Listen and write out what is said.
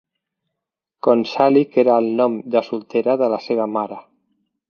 Konsalik era el nom de soltera de la seva mare.